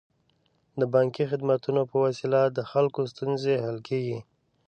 د بانکي خدمتونو په وسیله د خلکو ستونزې حل کیږي.